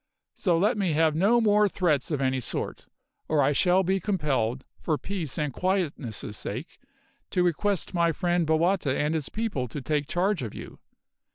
So let me have no more threats of any sort, or I shall be compelled, for peace and quietness' sake, to request my friend Bowata and his people to take charge of you.